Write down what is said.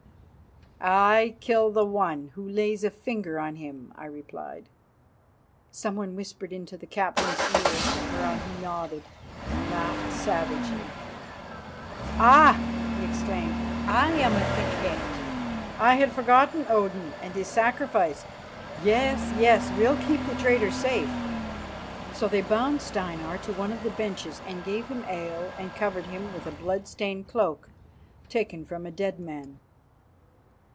"I kill that one who lays a finger on him," I replied. Someone whispered into the captain's ear, whereon he nodded and laughed savagely. "Ah!" he exclaimed, "I am a thickhead. I had forgotten Odin and his sacrifice. Yes, yes, we'll keep the traitor safe." So they bound Steinar to one of the benches and gave him ale and covered him with a blood stained cloak taken from a dead man.